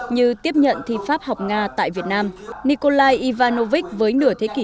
như tiếp nhận thi pháp học nga tại việt nam nikolai ivanovich với nửa thế kỷ